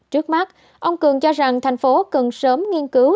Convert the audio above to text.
trước mắt ông cường cho rằng thành phố cần sớm nghiên cứu